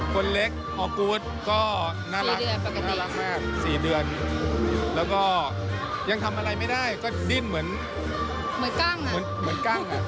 คนเล็กออกูธก็น่ารักมาก๔เดือนแล้วก็ยังทำอะไรไม่ได้ก็ดิ้นเหมือนกั้งอ่ะเหมือนกั้งอ่ะ